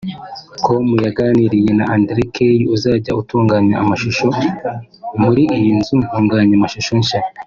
com yaganiriye na Andrew Kay uzajya utunganya amashusho muri iyi nzu ntunganyamashusho nshya